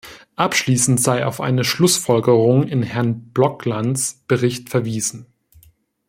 Abschließend sei auf eine Schlussfolgerung in Herrn Bloklands Bericht verwiesen.